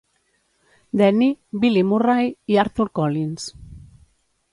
Denny, Billy Murray i Arthur Collins.